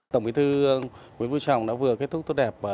tổng bí thư nguyễn vũ trọng đã vừa kết thúc tốt đẹp